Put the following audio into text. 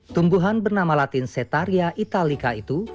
tumbuhan bernama latin cetaria italika itu